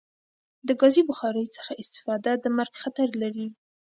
د کازی بخاری څخه استفاده د مرګ خطر لری